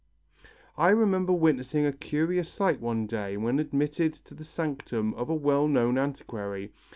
I remember witnessing a curious sight one day when admitted to the sanctum of a well known antiquary.